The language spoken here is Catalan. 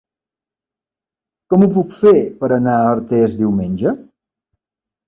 Com ho puc fer per anar a Artés diumenge?